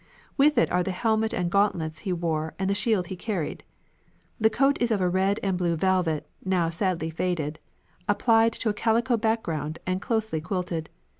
With it are the helmet and gauntlets he wore and the shield he carried. The coat is of a red and blue velvet, now sadly faded, applied to a calico background and closely quilted.